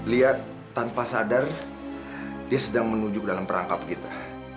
lihat tanpa sadar dia sedang menuju ke dalam perangkap kita